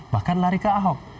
bahkan lari ke ahok